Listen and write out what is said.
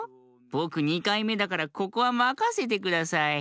ぼく２かいめだからここはまかせてください。